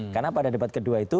karena pada debat kedua itu